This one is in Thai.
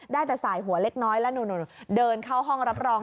ได้แต่สายหัวเล็กน้อยแล้วเดินเข้าห้องรับรอง